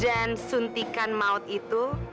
dan suntikan maut itu